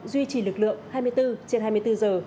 duy trì lực lượng hai mươi bốn trên hai mươi bốn giờ